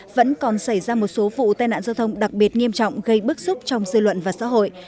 vẫn còn xảy ra một số vụ tai nạn giao thông đặc biệt nghiêm trọng gây bức xúc trong dư luận và xã hội